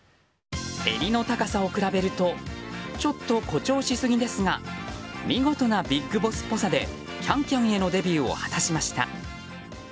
襟の高さを比べるとちょっと誇張しすぎですが見事なＢＩＧＢＯＳＳっぽさで「ＣａｎＣａｍ」へのデビューを果たしました。